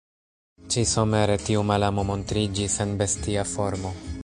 Ĉi-somere tiu malamo montriĝis en bestia formo.